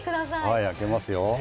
はい、開けますよ。